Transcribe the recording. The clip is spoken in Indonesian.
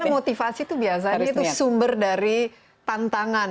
karena motivasi itu biasanya itu sumber dari tantangan ya